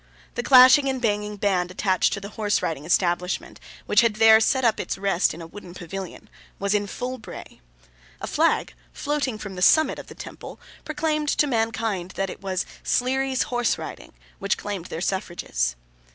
The clashing and banging band attached to the horse riding establishment, which had there set up its rest in a wooden pavilion, was in full bray. A flag, floating from the summit of the temple, proclaimed to mankind that it was 'Sleary's Horse riding' which claimed their suffrages.